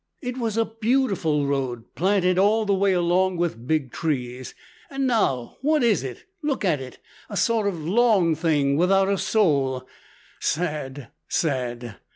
It was a beautiful road, planted all the way along with big trees. "And now, what is it? Look at it a sort of long thing without a soul sad, sad.